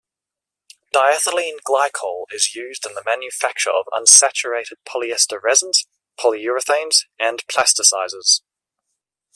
Diethylene glycol is used in the manufacture of unsaturated polyester resins, polyurethanes, and plasticizers.